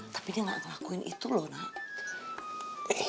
tapi dia nggak ngelakuin itu loh nah